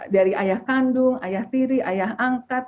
dari ayah kandung ayah tiri ayah angkat